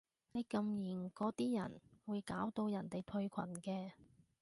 你禁言嗰啲人會搞到人哋退群嘅